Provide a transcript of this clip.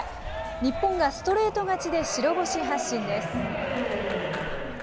日本がストレート勝ちで白星発進です。